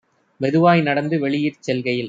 மெதுவாய் நடந்து வெளியிற் செல்கையில்